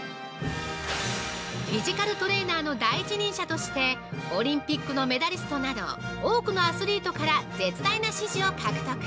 フィジカルトレーナーの第一人者としてオリンピックのメダリストなど多くのアスリートから絶大な支持を獲得！